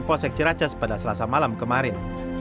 polsek ciracas pada selasa malam kemarin